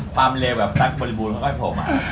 ความเลวแบบตั้งบริบูรณ์แล้วก็พอมา